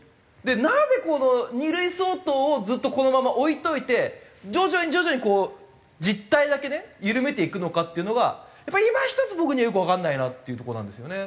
なぜこの２類相当をずっとこのまま置いておいて徐々に徐々にこう実態だけね緩めていくのかっていうのがやっぱりいま一つ僕にはよくわかんないなっていうとこなんですよね。